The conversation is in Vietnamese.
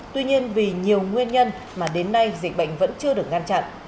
tuy nhiên vì nhiều nguyên nhân mà đến nay dịch bệnh vẫn chưa được ngăn chặn